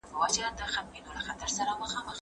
هغه ساینس پوهان چي ګډ کار کوي ډېر بریالي دي.